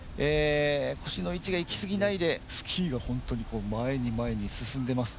腰の位置がいきすぎないでスキーが本当に前に前に進んでます。